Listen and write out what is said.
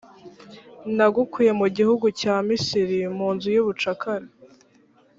nagukuye mu gihugu cya misiri, mu nzu y’ubucakara.